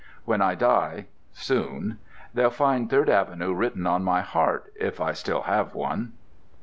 When I die (soon) they'll find Third Avenue written on my heart, if I still have one...."